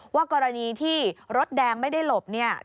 ว่ากรณีที่รถแดงไม่ได้หลบเนี่ย